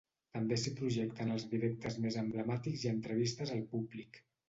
També s’hi projecten els directes més emblemàtics i entrevistes al públic.